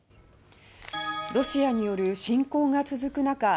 ロシアによる侵攻が続く中